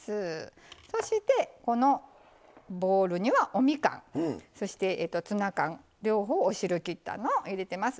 そして、ボウルには、おみかんそして、ツナ缶、両方をお汁を切ったのを入れてます。